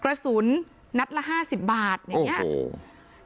กระสุนนัดละห้าสิบบาทโอ้โห